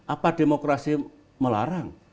apa demokrasi melarang